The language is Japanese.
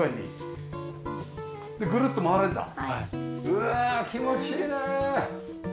へえ気持ちいいね！